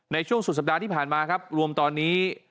ในช่วงสุดสัปดาห์ที่ผ่านมาครับรวมตอนนี้